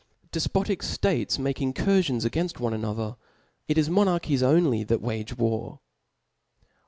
Defpotic Hates make incurfion^ againft one another ; it is monaridhies only that wage war.